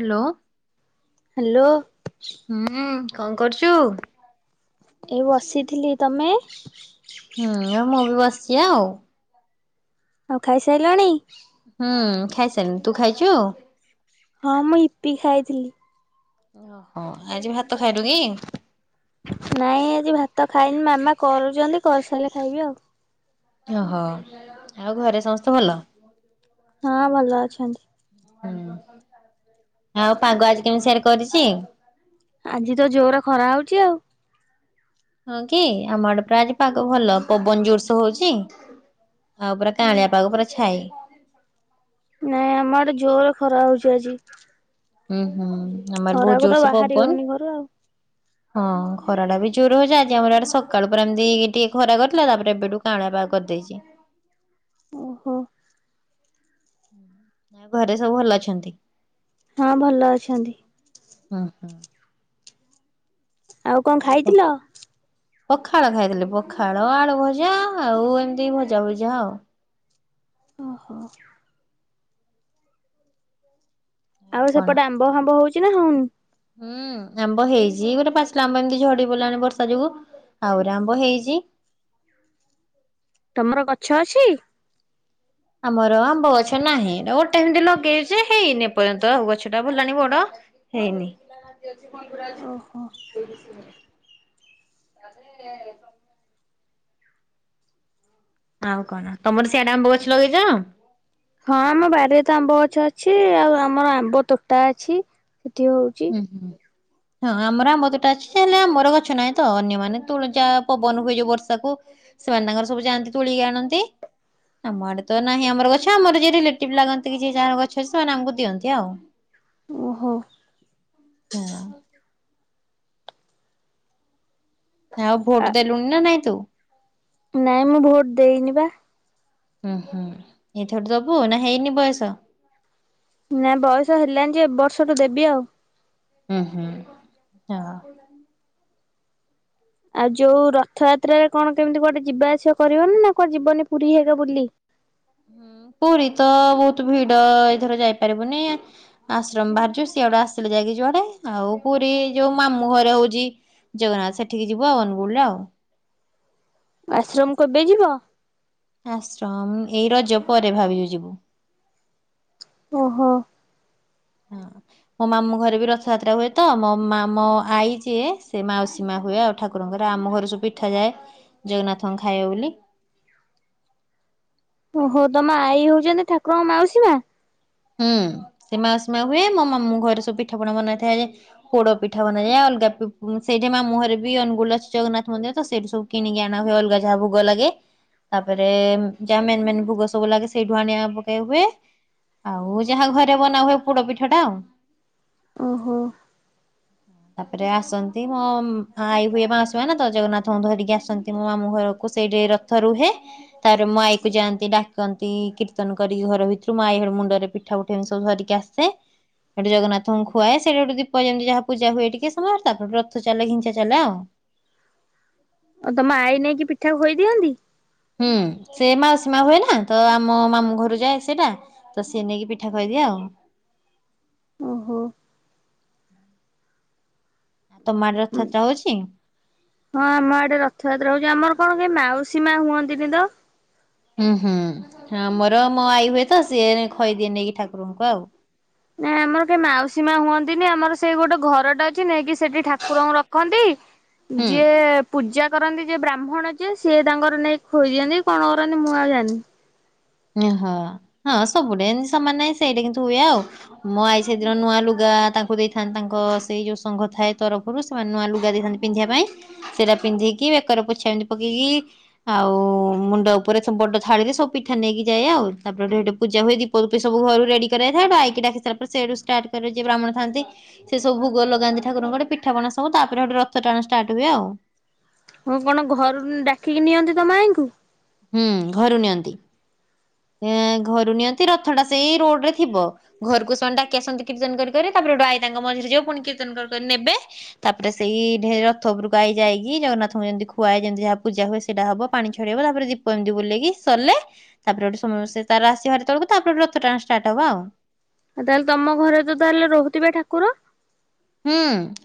Hello. Hello. ହୁଁ। କଣ କରୁଛୁ? ଏ ବସିଥିଲି ତମେ? ହୁଁ ଏ ମୁଁ ବି ବସିଛି ଆଉ। ଆଉ ଖାଇସାରିଲାଣି? ହୁଁ ଖାଇସାରିଲିଣି ତୁ ଖାଇଛୁ? ହଁ ମୁଁ ଇପି ଖାଇଥିଲି। ଓହୋ ଆଜି ଭାତ ଖାଇନୁ କି? ନାଇଁ ଆଜି ଭାତ ଖାଇନି ମାମା କରୁଛନ୍ତି କରିସାରିଲେ ଖାଇବି ଆଉ। ଓହୋ ଆଉ ଘରେ ସମସ୍ତେ ଭଲ? ହଁ ଭଲ ଅଛନ୍ତି। ହୁଁ ଆଉ ପାଗ ଆଜି କେମିତି ସେଆରେ କରିଛି? ଆଜି ତ ଜୋର ଖରା ହଉଛି ଆଉ ହଁ କି ଆମ ଆଡେ ପୁରା ଆଜି ପାଗ ଭଲ ପବନ ଜୋରସେ ହଉଛି ଆଉ ପୁରା କାଁଳିଆ ପାଗ ପୁରା ଛାଇ ନାଇଁ ଆମର ଜୋର ଖରା ହେଉଛି ଆଜି। ହୁଁ ହୁଁ ଆମର ଖରାକୁ ତ ଭୁଜୁର ସେ ବାହାରି ପବନ ହଉନି ଘରୁ ଆଉ। ହଁ ଖରା ଟା ବି ଜୋର ହଉଛି ଆଜି ଆମର ଆଡେ ସକାଳୁ ପୁର ଏମିତି ଟିକେ ଖରା କରିଦଥିଲା ତାପରେ ଏବେଠୁ କାଁଳିଆ କରିଦେଇଛି। ଓହୋ ଆ ଘରେ ସବୁ ଭଲ ଅଛନ୍ତି। ହଁ ଭଲ ଅଛନ୍ତି। ଉଁ ହୁଁ ଆଉ କଣ ଖାଇଥିଲ ପଖାଳ ଖାଇଥିଲେ ପଖାଳ ଆଳୁ ଭଜା ଆଉ ଏମିତି ଭଜା ଭୁଜା ଆଉ ଓହୋ ଆଉ ସେପଟେ ଆମ୍ବ ଫାମ୍ବ ହଉଛି। ହଉଚି ନା ହଉନି ହୁଁ ଆମ୍ବ ହେଇଛି ଗୋଟେ ପାଚିଲା ଆମ୍ବ ଏମିତି ଝଡି ପଲାଣି ବର୍ଷା ଯୋଗୁ ଆହୁରି ଆମ୍ବ ହେଇଛି। ତମର ଗଛ ଅଛି। ଆମର ଆମ୍ବ ଗଛ ନାହିଁ ଗୋଟେ ଏମତି ଲଗେଇଛ ହେଇନି ଏପର୍ଯ୍ୟନ୍ତ ଆଉ ଗଛ ଟା ଭଲାଣି ବଡ ହେଇନି ଓହୋ [unintelligible] ଆରେ ଆଉ କଣ ତମର ସିଆଡେ ଆମ୍ବ ଗଛ ଲଗେଇଛ ହଁ ଆମ ବାଡିରେ ତ ଆମ୍ବ ଗଛ ଅଛି ଆଉ ଆମର ଆମ୍ବ ତୋଟା ଅଛି। ଏଠି ହଉଛି। ହୁଁ ହୁଁ। ହଁ ଆମର ଆମ୍ବ ଦୁଟା ଅଛି ତାହେଲେ ଆମର ଗଛ ନାହିଁ ତ ଅନ୍ୟମାନୋନ ତୁ ଯାହା ପବନ ହୁଏ ଯୋଉ ବର୍ଷାକୁ ସେମାନେ ତାଙ୍କର ସବୁ ଯାଆନ୍ତି ତୁଳିକି ଆଣନ୍ତି। ଆମଆଡେ ତ ନାହିଁ ଆମର ଗଛ ଆମର ରିଲେଟିଭ ଲାଗନ୍ତି କି ଯାହା ଗଛ ସେମାନେ ଆମକୁ ଦିଅନ୍ତି ଆଉ ଓହୋ ହଁ ଆଉ ଆ ଭୋଟ ଦେଲୁଣି ନା ନାଇଁ ତୁ ନାଇଁ ମୁଁ ଭୋଟ ଦେଇନିପା ହୁଁ ହୁଁ ଏଇଥଠୁ ଦବୁ ନା ହେଇନି ବୟସ ନା ବୟସ ହେଲାଣି ଯେ ବର୍ଷଠୁ ଦେବି ଆଉ ହୁଁ ହୁଁ ହଁ ଆଉ ଯୋଉ ରଥଯାତ୍ରାରେ କଣ କେମିତି ଗୋଆଟେ ଯିବାଆସିବା କରିବନି ନା କୋ ଜୀବନୀ ପୁରୀ ହେଇଗ ବୁଲି। ହୁଁ ପୁରୀ ତ ବହୁତ ଭିଡ ଏଇଥର ଯାଇପାରିବୁନି ଆଶ୍ରମ ବାହାରଛୁ ସିଆଡେ ଆସିଲେ ଯାଇକି ଯୁଆଡେ ଆଉ ପୁରୀ ଯୋଉ ମାମୁଁ ଘରେ ହଉଛି ଜଗନ୍ନାଥ ସେଠିକି ଯିବୁ ଆଉ ଅନୁଗୁଳରେ ଆଉ ଆଶ୍ରମ କବେ ଯିବ? ଆଶ୍ରମ ଏଇ ରଜ ପରେ ଭାବିଛୁ ଯିବୁ ଓହୋ ହଁ ମୋ ମାମୁ ଘରେ ବି ରଥଯାତ୍ରା ହୁଏ ତ ମୋ ମ ମ ଆଈ ଯିଏ ସେ ମାଉସୀ ମା ହୁଏ ଆଉ ଠାକୁରଙ୍କର ଆମ ଘରେ ସବୁ ପିଠା ଯାଏ ଜଗନ୍ନାଥଙ୍କ ଖାଇବ ବୋଲି ଓହୋ ତ ମା ଏଇ ହଉଛନ୍ତି ଠାକୁରଙ୍କ ମାଉସୀ ମା ହୁଁ ସୀମା ସୀମା ହୁଏ ମୋ ମାମୁ ଘରେ ସବୁ ପିଠା ପଣା ବନେଇଥାଏ ପୋଡ ପିଠା ବନାଏ ଅଲଗା ସେଇଠି ମାମଁ ଘରେ ବି ଅନୁଗୁ ଜଗନ୍ନାଥ ମନ୍ଦିର ତ ସେଇଠୁ ସବୁ କିଣିକି ଆଣା ହୁଏ ଅଲଗା ଯାହା ଭୋଗ ଲାଗେ। ତାପରେ ଯାହା ମେନ୍ ମେନ୍ ଭୋଗ ସବୁ ଲାଗେ ସେଇଠୁ ଆଣ ପକେଇ ହୁଏ ଆଉ ଯାହା ଘରେ ବନା ହୁଏ ପୋଡ ପିଠ ଟା ଆଉ ଓହୋ ତାପରେ ଆସନ୍ତି ମୋ ଆଈ ହୁଏ ମାସୁଏ ନା ତ ଜଗନ୍ନାଥଙ୍କୁ ଧରିକି ଆସନ୍ତି ମୋ ମାମୁ ଘରକୁ ସେଇଠି ରଥ ରୁହେ ତାପରେ ମୋ ଆଈ କୁ ଯାଆନ୍ତି ଡାକନ୍ତି କୀର୍ତ୍ତନ କରି ଘର ଭିତରୁଁ ଆଈ ଘର ମୁଣ୍ଡରେ ପିଠା ଉଠା ଏମି ସବୁ ଧରିକି ଆସେ ସେଠି ଜଗନ୍ନାଥଙ୍କୁ ଖୁଆଏ ସେଠି ଗୋଟେ ଦୀପ ଯେମିତି ଯାହା ପୂଜା ହୁଏ ଟିକେ ସମ ତାପରେ ରଥ ଚାଲ ଘିଞ୍ଚା ଚାଲ ଆଉ ଓ ତମ ଆଇ ନେଇ କି ପିଠା ଖୋହି ଦେଇି ହନ୍ତି। ହୁଁ ସେ ମାଉସୀ ମା ହୁଏ ନା ତ ଆମ ମାମୁଁ ଘରୁ ଯାଏ ସେଟା ତ ସିଏ ନେଇକି ପିଠା ଖଦିଏ ଆଉ ଓହୋ। ଆଉ ତମ ଆଡେ ରଥଯାତ୍ରା ହଉଛି? ହଁ ଆମ ଆଡେ ରଥଯାତ୍ରା ହଉଛି ଆମର କଣ କେ ମାଉସୀ ମା ହୁଅନ୍ତିନି ତ ହୁଁ ହୁଁ ଆମର ମୋ ଆଈ ହୁଏ ତ ସିଏ ନେ ଖୋଇଦିଏ ନେଇକି ଠାକୁରଙ୍କୁ ଆଉ ନାଇଁ ଆମର କେହି ମାଉସୀ ମା ହୁଅନ୍ତିନି ଆମର ସେଇ ଗୋଟେ ଘରଟା ଅଛି ନେଇକି ସେଠି ଠାକୁରଙ୍କୁ ରଖନ୍ତି ହୁଁ। ଯିଏ ପୂଜା କରନ୍ତି ଯେ ବ୍ରାହ୍ମଣ ଯିଏ ସିଏ ତାଙ୍କର ନେଇ ଖୋଇ ଦିଅନ୍ତି କଣ କରନ୍ତି ମୁଁ ଆଉ ଜାଣିନି। ଓହୋଃ ହଁ ସବୁଠି ଏମିତି ସମାନ ନାହିଁ ସେଇଟା କିନ୍ତୁ ହୁଏ ଆଉ ମୋ ଆଈ ସେଦିନ ନୂଆ ଲୁଗା ତାଙ୍କୁ ଦେଇଥାନ୍ତି ତାଙ୍କ ସେଇ ଯୋଉ ସଙ୍ଘ ଥାଏ ତରଫରୁ ସେମାନେ ନୂଆ ଲୁଗା ଦେଇଥାନ୍ତି ପିନ୍ଧିବା ପାଇଁ ସେଇଟା ପିନ୍ଧିକି ବେକରେ ପୋଛାମିତି ପକେଇକି ଆଉ ମୁଣ୍ଡ ଉପରେ ବୁ ବଡ ଥାଳିରେ ସବୁ ପିଠ୍ ପଠା ନେଇକି ଯାଏ ଆଉ, ତାପରେ ଗୋଟେ ସେଠି ପୂଜା ହୁଏ ଦୀପଫୀପ ସବୁ ଘରୁ ରେଡି କରାହେଇଥାଏ ସେଇଠୁ ଆଈକି ଡାକିସାରିଲା ପରେ ସେଇଠୁ ଷ୍ଟାର୍ଟ କରେ ଯିଏ ବ୍ରାହ୍ମଣ ଥାନ୍ତି ସେ ସବୁ ଭୋଗ ଲଗାନ୍ତି ଠକୁରଙ୍କ ଆଡେ ପିଠାପଣା ସବୁ ତାପରେ ରଥ ଟାଣ ଷ୍ଟାର୍ଟ ହୁଏ ଆଉ ହଁ କଣ ଘରୁ ଡାକିକି ନିଅନ୍ତି ତମ ଆଈଙ୍କୁ? ହୁଁ ଘରୁ ନିଅନ୍ତି, ଏଁ ଘରୁ ନିଅନ୍ତି ରଥଟା ସେଇ ରୋଡରେ ଥିବ ଘରକୁ ସେମାନେ ଡାକି ଆସନ୍ତି କୀର୍ତ୍ତନ କରି କରି ତାପରେ ହେଇଠୁ ଆଈ ତାଙ୍କ ମଝିରେ ଯିବ ପୁଣି କୀର୍ତ୍ତନ କରି କରି ନେବେ ତାପରେ ସେଇ ରଥ ଉପରକୁ ଆଈ ଯାଇକି ଜଗନ୍ନାଥଙ୍କୁ ଯେମିତି ଖୁଆଏ ଯେମିତି ଯାହା ପୂଜା ହୁଏ ସେଇଟା ହବ ପାଣି ଛଡେଇ ହବ ତାପରେ ଦୀ ପ ଏମିତି ବୁଲେଇକି ସରିଲେ ତାପରେ ଗୋଟେ ସମସ୍ତେ ତ ଆସିବେହେରି ତଳକୁ ତାପରେ ରଥ ଟାଣ ଷ୍ଟାର୍ଟ ହବ ଆଉ ଆଉ ତାହେଲେ ତମ ଘରେ ତ ତାହେଲେ ରହୁଥିବେ ଠାକୁର? ହୁଁ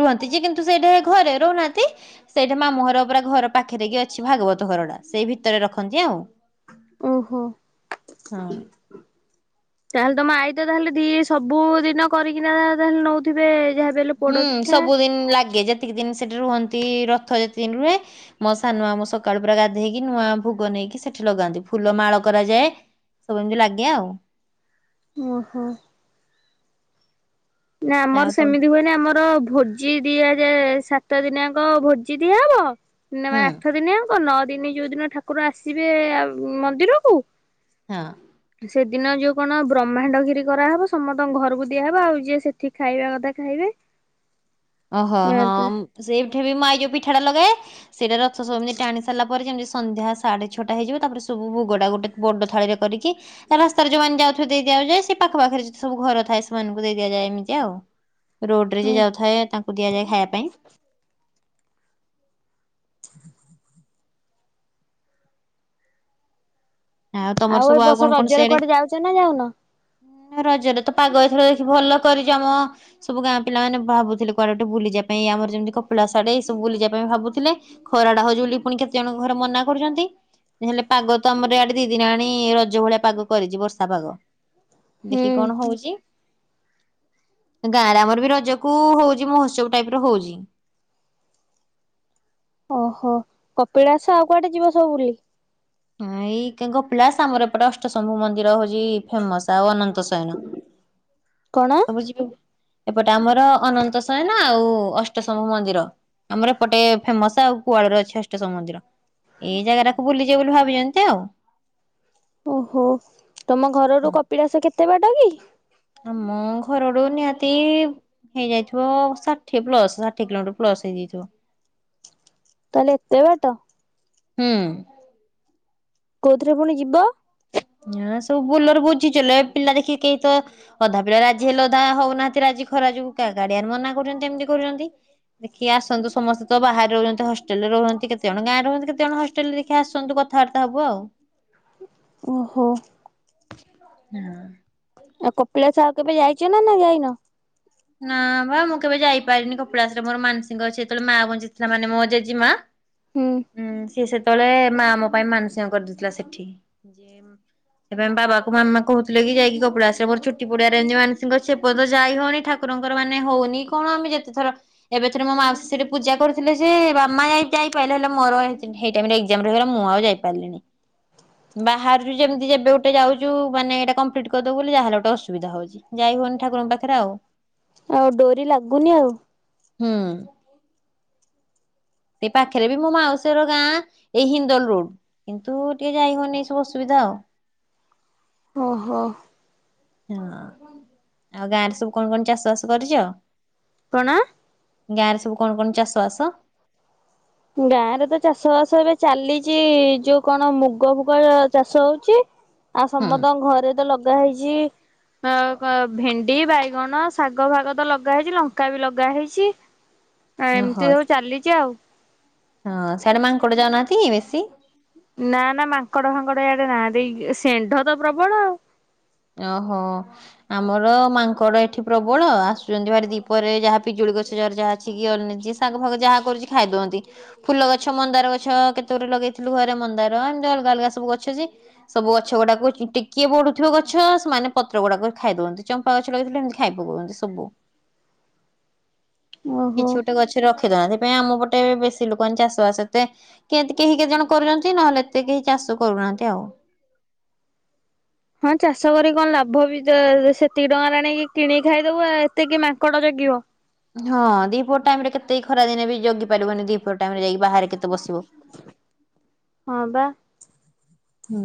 ରୁହନ୍ତି ଯେ କିନ୍ତୁ ସେଇଟା ଘରେ ରହୁନାହାନ୍ତି ସେଇଟା ମାମୁଁ ଘର ପୁରା ଘର ପାଖରେ କି ଅଛି ଭାଗବତ ଘରଟା ସେଇ ଭିତରେ ରଖନ୍ତି ଆଉ ଓହୋଃ। ହଁ। ତାହେଲେ ତମ ଆଈ ତ ତାହେଲେ ଦି ସବୁ ଦିନ କରିକିନା ତାହେଲେ ନଉଥିବେ ଯାହାବି ହେଲେ ପୋଡ ହୁଁ ପିଠା ସବୁଦିନ ଲାଗେ ଯେତିକି ଦିନ ସେଠି ରୁହନ୍। ଏମତି ରଥ ଯେତେ ଦିନ ରୁହେ ମୋ ସାନ ମାମୁଁ ସକାଳୁ ପୁରା ଗାଧେଇକି ନୂଆ ଭୋଗ ନେଇକି ସେଠି ଲଗାନ୍ତି ଫୁଲ ମାଳ କରାଯାଏ ସବୁ ଏମିତି ଲାଗେ ଆଉ ଓହୋଃ। ନା ଆମର ଆଉ ତ ସେମିତି ହୁଏନି ଆମର [inaudible] ଭୋଜି ଦିଆଯାଏ ସାତ ଦିନିଯାଙ୍କ ଭୋଜି ଦିଆହବ। ହୁଁ [unintelligible] ଆଠ ଦିନିଆଉ ଓ ନଅ ଦିନ ଯୋଉଦିନ ଠାକୁର ଆସିବେ ମନ୍ଦିରକୁ। ହଁ। ସେଦିନ ଯୋଉ କଣ ବ୍ରହ୍ମାଣ୍ଡଗିରି କରାହବ ସମସ୍ତଙ୍କ ଘରକୁ ଦିଆହେବ ଆଉ ଯିଏ ସେଠି ଖାଇବା କଥା ଖାଇବେ। ଓହୋଃ ହଁ ହଁ ସେଇଠି ବି ମା [unintelligible] ପିଠାଟା ଲଗାଏ, ସେଇଟା ରଥ ସବୁ ଏମିତି ଟାଣି ସାରିଲା ପରେ ଯେମିତି ସନ୍ଧ୍ୟା ସାଢେ ଛଅଟା ହେଇଯିବ ତାପରେ ସବୁ ଭୋଗଟା ଗୋଟେ ବଡ ଥାଳିରେ କରିକି ରାସ୍ତାରେ ଯୋଉମାନେ ଯାଉଥିବେ ଦେଇ ଦିଆଯାଏ ସେ ପାଖପାଖରେ ଯେତେ ସବୁ ଘର ଥାଏ ସେମାନଙ୍କୁ ଦେଇ ଦିଆଯାଏ ଏମିତି ଆଉ ରୋଡରେ ଯେ ଯାଉଥାଏ ଦିଆଯାଏ ଖାଇବା ପାଇଁ। ହ [inaudible] ତମର ଆଉ ଏ ସବୁ ବର୍ଷ କଣ କଣ ରଜରେ ସିଆଡେ କୁଆଡେ ଯାଉଛ ନା ଯାଉନ? ରଜରେ ତ ପାଗ ଏଥର ଦେଖି ଭଲ କରିଛ ଆମ ସବୁ ଗାଁ ପିଲାମାନେ ଭାବୁଥିଲେ କୁଆଡେ ଗୋଟେ ବୁଲିଯିବା ପାଇଁ ଆମର ଯେମିତି କପିଳାସ୍ ଆଡେ ଏଇ ସବୁ ବୁଲିଯିବା ପାଇଁ ଭାବୁଥିଲେ ଖରାଟା ହେଉଛି ବୋଲି ପୁଣି କେତେ ଜଣଙ୍କ ଘରେ ମନା କରୁଛନ୍ତି ନହେଲେ ପାଗ ତ ଆମର ୟାଡେ ଦି ଦିନ ହେଲାଣି ରଜ ଭଳିଆ ପାଗ କରିଛି ବର୍ଷା ପାଗ। ହୁଁ ଦେଖି କଣ ହଉଛି। ଗାଁଆରେ ଆମର ବି ରଜକୁଉଉ ହଉଛି ମହୋତ୍ସବ ଟାଇପର ହଉଛି। ଓହୋଃ କପିଳାସ ଆଉ କୁଆଡେ ଯିବ ସବୁ ବୁଲି? ଏଇ ଗପିଳାସ୍ ଆମର ଏପଟେ ଅଷ୍ଟଶମ୍ଭୁ ମନ୍ଦିର ହଉଛି ଫେମସ୍ ଆଉ ଅନନ୍ତ ଶୟନ। କଣ ସବୁ ଯିବେ? ଏପଟେ ଆମର ଅନନ୍ତସୟ ନା ଆଉ ଅଷ୍ଟଶମ ମନ୍ଦିର ଆମର ଏପଟେ ଫେମସ ଆଉ କୁଆଡର ଅଛି ଅଷ୍ଟଶମ ମନ୍ଦିର ଏଇ ଜାଗା ଟାକୁ ବୁଲି ଯ ବୋଲି ଭାବିଛନ୍ତି ଆଉ। ଓହୋ ତମ ଘର ର କପିଳାସ କେତେ? କେତେ ବାଟ କି? ଆମ ଘର ରୁ ନିହାତି ହେଇଯାଇଥିବ ଷାଠିଏ ପ୍ଲସ ଷାଠିଏ କିଲୋମିଟର ପ୍ଲସ ହେଇଯାଇଥିବ। ତାହେଲେ ଏତେ ବାଟ ହୁଁ କୋଉଥିରେ ପୁଣି ଯିବ ହଁ ସବୁ ଭୁଲରେ ବୁଝିଚ ପିଲା ଦେଖି କେହି ତ ଅଧା ପିଲା ରାଜି ହେଲେ ଅଧା ହଉନାହାନ୍ତି ରାଜି ଖରା ଯୋଗ ଗାଡିଆରେ ମନା କରୁଛନ୍ତି ଏମିତି କରୁଛନ୍ତି ଦେଖିକି ଆସନ୍ତୁ ସମସ୍ତେ ତ ବାହାରେ ରହୁଛନ୍ତି ହଷ୍ଟେଲରେ ରହୁଛନ୍ତି କେତେ ଜଣ ଗାଁରେ ରହନ୍ତି କେତେ ଜଣ ହଷ୍ଟେଲରେ ଦେଖି ଆସନ୍ତୁ କଥାବାର୍ତ୍ତା ହବ ଆଉ। ଓହୋ ହଁ ଆଉ କପିଳା ସା ଆଉ କେବେ ଯାଇଛ ନା ନା ଯାଇନ ନା ବା ମୁଁ କେବେ ଯାଇପାରିନି କପଡ଼ାସରେ ମୋର ମାନସୀଙ୍କ ଅଛି ଯେତେବେଳେ ମା ଗଞ୍ଚିଥିଲା ମାନେ ମୋ ଜେଜେମା ହୁଁ ସେଷ ତଳେ ମା ମମ ପାଇଁ ମାନସଙ୍କ କରିଦେଇଥିଲା ସେଠି ଯେ ସେପାଇ ବାବା କ ମାମା କହୁଥିଲେ କି ଯାଇକି କପଡା ଆସିଲେ ମୋର ଛୁଟି ପଡିଆରେ ମାନସଙ୍କ ଛେପଦ ଯାଇ ହଉି ଠାକୁର ଠାକୁରଙ୍କର ମାନେ ହଉନି କଣ ଆମେ ଯେତେଥର ଏବେ ଥର ମୋ ମାଉରେ ପୂଜା କରୁଥିଲେ ସେ ବାାମା ଯ ଯାଇପାରିଲ ହେଲେ ମୋରାଇ ମୁଁ ଆଉ ଯାଇପାରିଲିଣି ବାହାରୁ ଯେମିତି ଯେବେ ଗୋଟେ ଯାଉଛୁ ମାନେ ଏଇଟା କପ୍ଟ କରିଦବ ବୋଲି ଯାହା ହେଲେ ଗୋଟେ ଅସୁବିଧା ହଉଛି ଯାଇ ହଉନି ଠାକୁରଙ୍କ ପାଖରେ ଆଉ। ଆଉ ଡୋରି ଲାଗୁନି ଆଉ। ହୁଁ ସେ ପାଖରେ ବି ମୋ ମାଉସୀ ର ଗାଁ ଏଇ ହିନ୍ଦଲ ରୋଡ କିନ୍ତୁ ଟିକେ ଯାଇ ହଉନି ସବୁ ଅସୁବିଧା ଆଉ। ଓହୋ ହଁ ଆଉ ଗାଁରେ ସବୁ କଣ କଣ ଚାଷ ବାସ କରିଛ। କଣ? ଗାଁ ରେ ସବୁ କଣ କଣ ଚାଷ ବାସ? ଗାଁରେ ତ ଚାଷ ବାସ ଏବେ ଚାଲିଛି ଯୋଉ କଣ ମୁଗ ଫୁଗ ଚାଷ ହୋ। ଆଉ ହୁଁ ସମସ୍ତଙ୍କ ଘରେ ତ ଲଗା ହେଇଛି ଭେ ଡି ବାଇଗଣ ଶାଗ ଫାଗ ତ ଲଗା ହେଇଛି ଲଙ୍କା ବି ଲଗା ହେଇଛି। ଆ ଓହୋ ଏମିତି ସବୁ ଚାଲିଛି ଆଉ ହଁ ସୋରମା କୋଉଠେ ଯାଉନାହାନ୍ତି ବେଶୀ ନା ନା ମାଙ୍କଡ ଫାଙ୍କଡ ଇଆଡେ ନାହାନ୍ତି ସେଣ୍ଢ ତ ପ୍ରବଳ ଆଉ ଓହୋ ଆମର ମାଙ୍କଡ ଏଠି ପ୍ରବଳ ଆସୁଛନ୍ତି ଭାରି ଦୀପରେ ଯାହା ପିଜୁଳି ଗଛ ଯ ଯାହା ଅଛି କି ଅନ ଶାଗ ଫାଗ ଯାହା କରୁଛି ଖାଇଦଅନ୍ତି ଫୁଲ ଗଛ ମନ୍ଦାର ଗଛ କେତେ ଗରେ ଲଗେଇଥିଲୁ ଘରେ ମନ୍ଦାର ଏମିତି ଅଲଗା ଅଲଗା ସବୁ ଗଛ ଯେ ସବୁ ଗଛ ଗୁଡାକୁ ଟିକିଏ ବଢୁଥିବ ଗଛ ଗଛ ସେମାନେ ପତ୍ର ଗୁଡାକ ଖାଇ ଦଅନ୍ତି ଚମ୍ପା ଗଛ ଲଗେଇଥିଲେ ଏମିତି ଖାଇ ପକାନ୍ତି ସବୁ ଓହୋ। କିଛି ଗୋଟେ ଗଛ ରଖ ହାଥିପାଇଁ ଆମ ପଟେ ବେଶୀ ଲୋକମାନେ ଚାଷ ବାସ ଏତେ କେମତି କେହି କେତେ ଜଣ କରୁଛନ୍ତି ନହେଲେ ଏତେ କେହି ଚାଷ କରୁନାହାନ୍ତି ଆଉ। ହଁ ଚାଷ କରିକି କଣ ଲାଭ ବି ସେତିକି ଟଙ୍କାରେଣକି କିଣିକି ଖାଇଦବୁ ଆଉ ଏତକି ମାଙ୍କଡ ଜଗିବ ହଁ ଦିପୁର ଟାଇମ ରେ କେତେ ଖରା ଦିନ ବି ଜଗି ପାରିବନି ଦିପ ଟାଇମ ରେ ଯାଇକି ବାହାର କେତେ ବସିବ ହଁ ବା ହୁଁ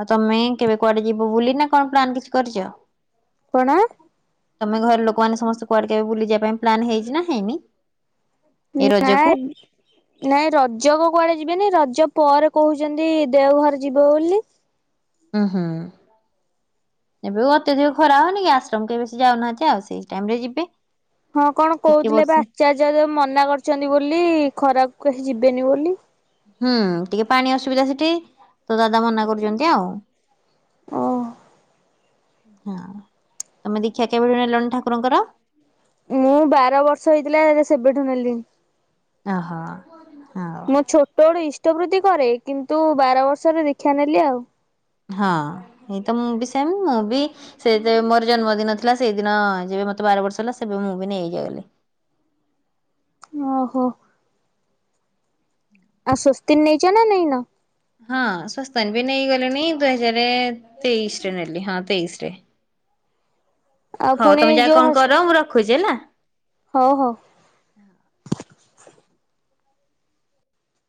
ଆଉ ତମେ କେବେ କୁଆଡେ ଯିବୁ ବୁଲି ନା କଣ ପ୍ଲନ୍ କିଛି କରିଛ। କଣ? ତମେ ଘର ଲୋକମାନେ ସମସ୍ତେ କୁଆଡେ କେବେ ବୁଲିଯିବା ପାଇଁ ପ୍ଲନ୍ ହେଇଛି ନା ହେଇନି। ଏଇ ରଜକୁ? ନାଇ ନାଇଁ ରଜ କ କୁଆଡେ ଯିବେନି ରଜ ପରେ କହୁଛନ୍ତି ଦେଓଘର ଯିବ ବୋଲି ହୁଁ ହୁଁ ଏବେ ଅତ୍ୟଧିକ ଖରା ହନି କି ଆଶ୍ରମ କେବେ ଯାଉନାହାନ୍ତି ଆଉ ସେଇ ଟାଇମ ରେ ଯିବେ ହଁ କଣ ଟିକେ କହୁଥିଲେ ଏବେ ବର୍ଷା ଆଚାର୍ଯ୍ୟ ମନା କରିଛନ୍ତି ବୋଲି ଖରା କେହି ଯିବେନି ବୋଲି ହୁଁ ଟିକେ ପାଣି ଅସୁବିଧା ସେଠି ତ ଦାଦା ମନା କରୁଛନ୍ତି ଆଉ ଓ ହଁ ତମେ ଦେଖା କେବେଠ ନେଲଣି ଠାକୁରଙ୍କର ମୁଁ ବାର ବର୍ଷ ହେଇଥିଲା ସେବେଠୁ ନେଲି ଅ ହୋ ମୋ ଛୋଟ ବୋଡେ ଇଷ୍ଟ ତ ବୃତ୍ତି କରେ କିନ୍ତୁ ବାର ବର୍ଷର ଦୀକ୍ଷା ନେଲି ଆଉ ହଁ ଏଇତ ମୁଁ ବି ସେମ ମୁଁ ବି ସେ ମୋର ଜନ୍ମଦିନ ଥିଲା ସେଇଦିନ ଯେବେ ମତେ ବାର ବର୍ଷ ହେଲା ସେବେ ମୁଁ ବି ନେଇଯାଇଗଲି ଓହୋ ଆଉ ସଵସ୍ତି ନେଇାଇଛ ନା ନାଇଁ ନା ହଁ ସସ୍ସ୍ତାନ ବି ନେଇଗଲେଣି ଦୁଇ ହଜାର ତେଇଶରେ ନେଲି ହଁ ତେଇଶ ରେ ଆଉ ହଉ ପୁଣି ତମେ ଯାହା ଯୋଉ କଣ ହସ୍ କର ମୁଁ ରଖୁଛି ହେଲା ହଉ ହଉ।